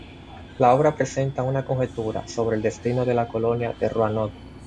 La obra presenta una conjetura sobre el destino de la Colonia de Roanoke.